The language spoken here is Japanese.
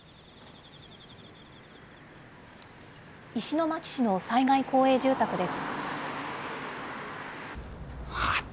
石巻市の災害公営住宅です。